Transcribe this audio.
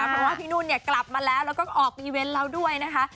เพราะว่าพี่นุ่นเนี่ยกลับมาแล้วแล้วก็ออกอีเวนต์แล้วด้วยนะคะ